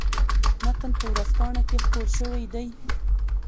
متن په ورځپاڼه کې خپور شوی دی.